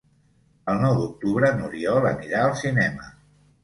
El nou d'octubre n'Oriol anirà al cinema.